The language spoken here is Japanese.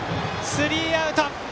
スリーアウト！